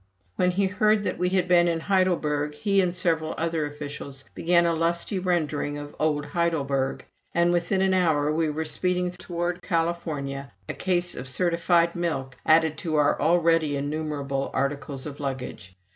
When he heard that we had been in Heidelberg, he and several other officials began a lusty rendering of "Old Heidelberg," and within an hour we were speeding toward California, a case of certified milk added to our already innumerable articles of luggage.